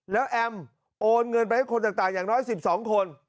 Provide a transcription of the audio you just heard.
แล้วแอมโอนเงินไปให้คนต่างอย่างน้อย๑๒คน